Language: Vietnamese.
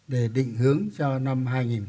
để định hướng cho năm hai nghìn hai mươi